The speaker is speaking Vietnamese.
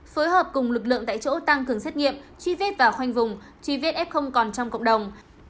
phối hợp cùng lực lượng tại chỗ tăng cường xét nghiệm truy vết và khoanh vùng truy vết f còn trong cộng đồng